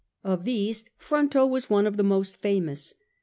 Of these Fronto was one of the most famous.